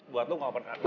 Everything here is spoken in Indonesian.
gue tuh gak bertenang